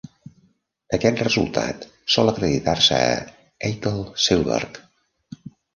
Aquest resultat sol acreditar-se a Atle Selberg.